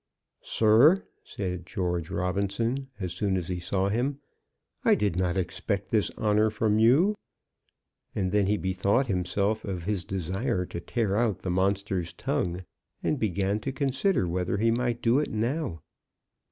"Sir," said George Robinson as soon as he saw him, "I did not expect this honour from you." And then he bethought himself of his desire to tear out the monster's tongue, and began to consider whether he might do it now.